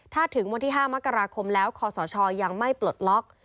ถ้าถึงวันที่๕มกราคมแล้วคอสชยังไม่ปลดล็อก